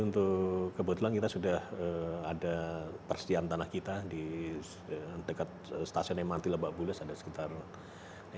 untuk kebetulan kita sudah ada persediaan tanah kita di dekat stasiun mrt lebak bulus ada sekitar